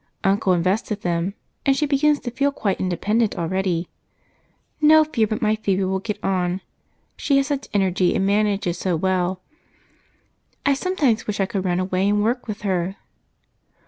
Uncle invested them, and she begins to feel quite independent already. No fear but my Phebe will get on she has such energy and manages so well. I sometimes wish I could run away and work with her."